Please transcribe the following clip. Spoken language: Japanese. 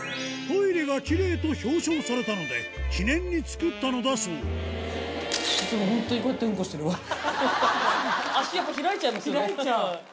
トイレがきれいと表彰されたので記念に作ったのだそう開いちゃう。